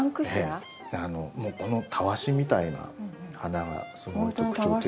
もうこのタワシみたいな花がすごい特徴的で。